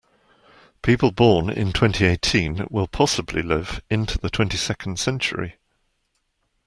People born in twenty-eighteen will possibly live into the twenty-second century.